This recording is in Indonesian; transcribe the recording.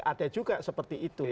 ada juga seperti itu